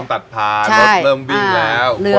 มีถนนตัดผ่านรถเริ่มบิ่งแล้ว